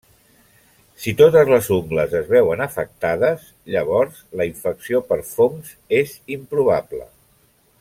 Si totes les ungles es veuen afectades, llavors la infecció per fongs és improbable.